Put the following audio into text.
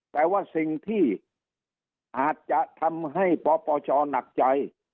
แต่ว่าสิ่งที่อาจจะทำให้ปปชหนักใจ